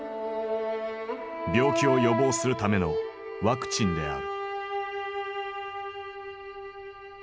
病気を予防するためのワクチンである。